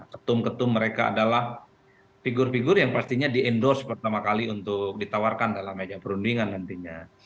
ketum ketum mereka adalah figur figur yang pastinya di endorse pertama kali untuk ditawarkan dalam meja perundingan nantinya